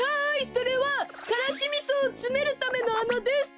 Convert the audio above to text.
それはからしみそをつめるためのあなです！